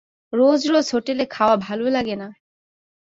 রোজ-রোজ হোটেলে খাওয়া ভালো লাগে না।